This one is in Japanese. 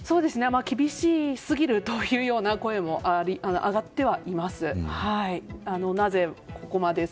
厳しすぎるというような声も上がってはいます。